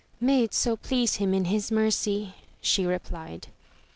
May it so please him in his mercy, she replied.